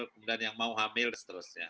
kemudian yang mau hamil dan seterusnya